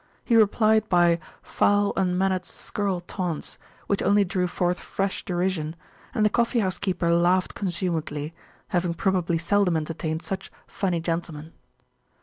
He replied by foul, unmannered, scurril taunts, which only drew forth fresh derision, and the coffee house keeper laughed consumedly, [p.265] having probably seldom entertained such funny gentlemen.